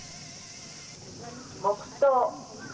黙とう。